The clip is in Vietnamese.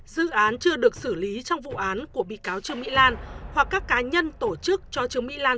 dự án chưa được xử lý trong vụ án của bị cáo trương mỹ lan hoặc các cá nhân tổ chức cho trương mỹ lan